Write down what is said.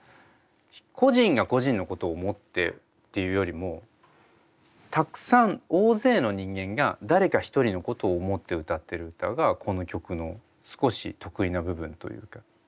個人が個人のことを思ってっていうよりもたくさん大勢の人間が誰か一人のことを思って歌ってる歌がこの曲の少し特異な部分というか。